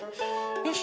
よし。